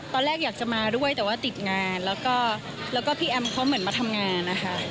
ตอนแรกอยากจะมาด้วยแต่ว่าติดงานแล้วก็พี่แอมเขาเหมือนมาทำงานนะคะ